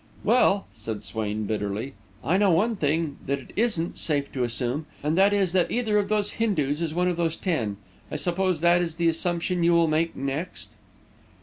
"Well," said Swain, bitterly, "I know one thing that it isn't safe to assume, and that is that either of those Hindus is one of those ten. I suppose that is the assumption you will make next?"